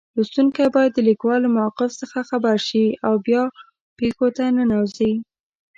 لوستونکی باید د لیکوال له موقف څخه خبر شي او بیا پېښو ته ننوځي.